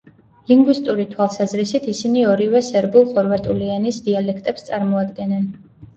ლინგვისტური თვალსაზრისით ისინი ორივე სერბულ-ხორვატული ენის დიალექტებს წარმოადგენენ.